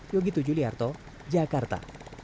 yogitu juliarto jakarta